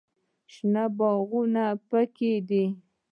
شنه باغونه پکښې دي.